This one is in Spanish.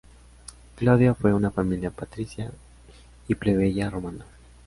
Claudia fue una familia patricia y plebeya romana.